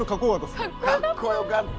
かっこよかった。